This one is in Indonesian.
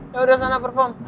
yaudah sana perform